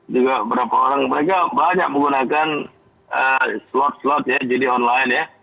juga berapa orang mereka banyak menggunakan slot slot ya judi online ya